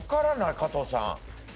加藤さん